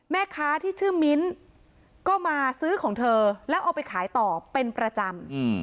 แม่ค้าที่ชื่อมิ้นก็มาซื้อของเธอแล้วเอาไปขายต่อเป็นประจำ